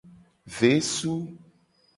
Vesu.